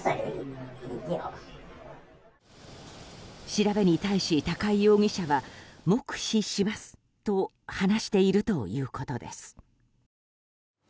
調べに対し高井容疑者は黙秘しますと話しているということです。